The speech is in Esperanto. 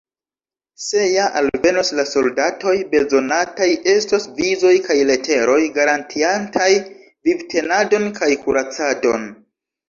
Se ja alvenos la soldatoj, bezonataj estos vizoj kaj leteroj garantiantaj vivtenadon kaj kuracadon.